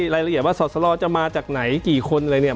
รายละเอียดว่าสอสรจะมาจากไหนกี่คนอะไรเนี่ย